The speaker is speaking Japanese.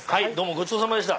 ごちそうさまでした。